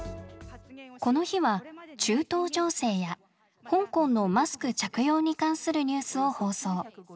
この日は中東情勢や香港のマスク着用に関するニュースを放送。